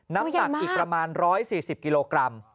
น้ำหนักอีกประมาณ๑๔๐กิโลกรัม